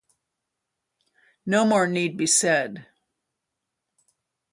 No more need be said.